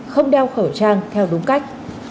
không đeo khẩu trang theo đúng cách